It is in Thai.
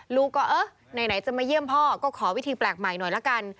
ลูกก็เออไหนจะมาเยี่ยมพ่อก็ขอวิธีแปลกใหม่หน่อยละกัน